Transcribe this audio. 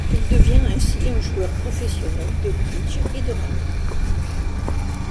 Il devient ainsi un joueur professionnel de bridge et de rami.